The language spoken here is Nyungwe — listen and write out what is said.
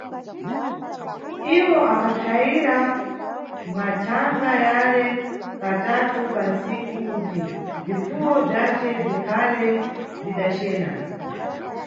Iwo akhapsayira mʼmathanga yale katatu pa ntsiku kuti bzifuwo bzace bzikhale bzidacena.